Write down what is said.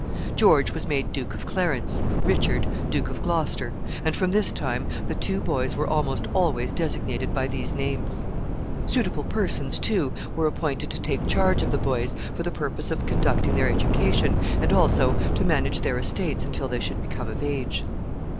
George was made Duke of Clarence; Richard, Duke of Gloucester; and from this time the two boys were almost always designated by these names. Suitable persons, too, were appointed to take charge of the boys, for the purpose of conducting their education, and also to manage their estates until they should become of age.